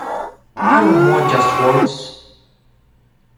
I don't want just words.